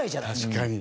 確かに。